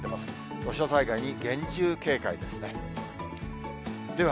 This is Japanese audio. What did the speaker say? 土砂災害に厳重警戒ですね。